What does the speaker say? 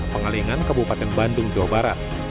pengalingan kabupaten bandung jawa barat